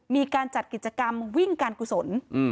มีการจัดกิจกรรมวิ่งการกุศล